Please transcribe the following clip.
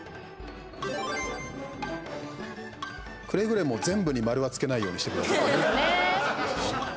くれぐれも全部に丸はつけないようにしてください。